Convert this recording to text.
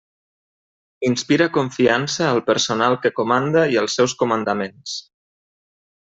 Inspira confiança al personal que comanda i als seus comandaments.